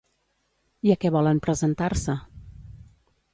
I a què volen presentar-se?